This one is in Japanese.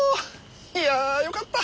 いやよかった！